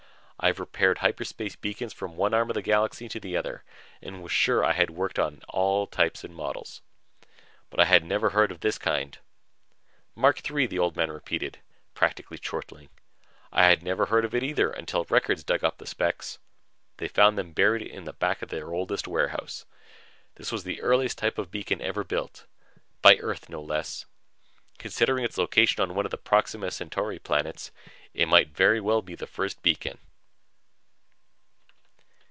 I have repaired hyperspace beacons from one arm of the Galaxy to the other and was sure I had worked on every type or model made. But I had never heard of this kind. "Mark III," the Old Man repeated, practically chortling. "I never heard of it either until Records dug up the specs. They found them buried in the back of their oldest warehouse. This was the earliest type of beacon ever built by Earth, no less. Considering its location on one of the Proxima Centauri planets, it might very well be the first beacon."